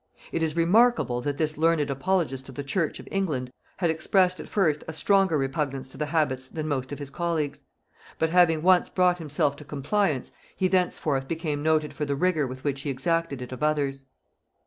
It is remarkable that this learned apologist of the church of England had expressed at first a stronger repugnance to the habits than most of his colleagues; but having once brought himself to compliance, he thenceforth became noted for the rigor with which he exacted it of others.